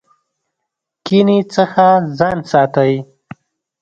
کینې څخه ځان ساتئ